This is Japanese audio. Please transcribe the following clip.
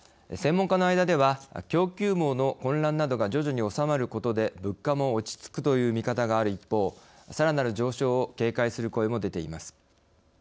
専門家の間では供給網の混乱などが徐々に収まることで物価も落ち着くという見方がある一方さらなる上昇を警戒する声も出ています。